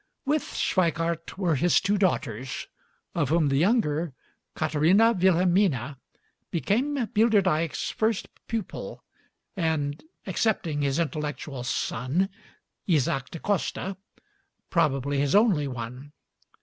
With Schweikhardt were his two daughters, of whom the younger, Katherina Wilhelmina, became Bilderdijk's first pupil, and, excepting his "intellectual son," Isaak da Costa, probably his only one.